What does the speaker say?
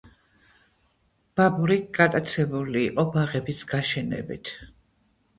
ბაბური გატაცებული იყო ბაღების გაშენებით.